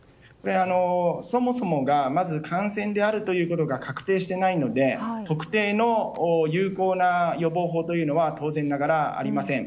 そもそも感染であることが確定していないので特定の有効な予防法というのは当然ながらありません。